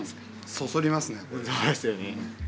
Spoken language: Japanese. そそりますね。